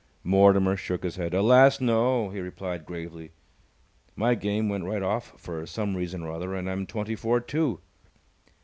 Mortimer shook his head. "Alas, no!" he replied, gravely. "My game went right off for some reason or other, and I'm twenty four, too."